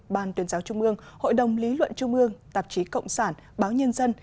ban tuyên giáo trung ương hội đồng lý luận trung ương tạp chí cộng sản báo nhân dân